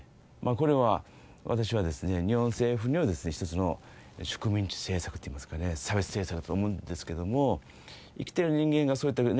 これは私はですね日本政府によるですね一つの植民地政策といいますかね差別政策だと思うんですけども生きてる人間がそういったね